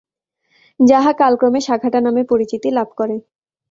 যাহা কালক্রমে সাঘাটা নামে পরিচিতি লাভ করে।